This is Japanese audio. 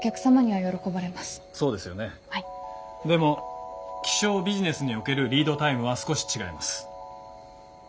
でも気象ビジネスにおけるリードタイムは少し違います。